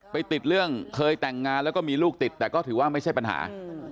ไปติดเรื่องเคยแต่งงานแล้วก็มีลูกติดแต่ก็ถือว่าไม่ใช่ปัญหา